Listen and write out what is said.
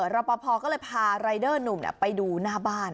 รอปภก็เลยพารายเดอร์หนุ่มไปดูหน้าบ้าน